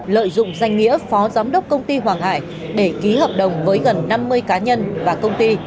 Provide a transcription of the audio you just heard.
lợi dụng danh nghĩa phó giám đốc công ty hoàng hải để ký hợp đồng với gần năm mươi cá nhân và công ty